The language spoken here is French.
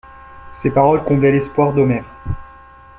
Ses paroles comblaient l'espoir d'Omer.